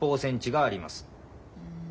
うん。